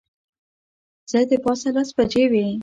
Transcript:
څه د پاسه لس بجې وې.